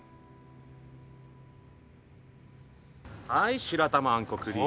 はい白玉あんこクリーム。